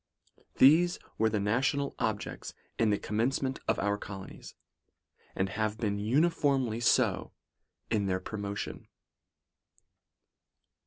These were the na tional objects in the commencement of our colo nies, and have been uniformly so in their promo tion.